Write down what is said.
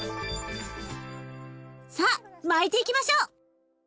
さあ巻いていきましょう。